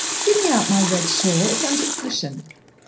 Give me out my red shawl, it's under the cushion."